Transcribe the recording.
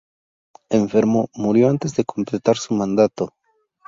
Enfermo, murió antes de completar su mandato.